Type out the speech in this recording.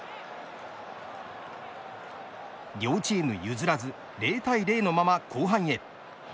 両チーム譲らず０対０のまま後半へ。